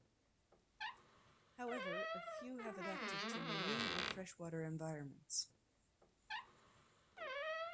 However, a few have adapted to marine or freshwater environments.